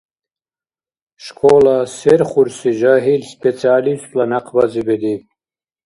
Школа серхурси жагьил специалистла някъбази бедиб.